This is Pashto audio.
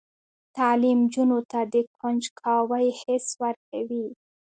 تعلیم نجونو ته د کنجکاوۍ حس ورکوي.